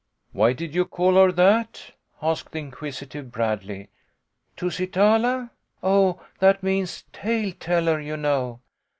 " Why did you call her that ?" asked the inquisi tive Bradley. " Tusitala ? Oh, that means tale teller, you know.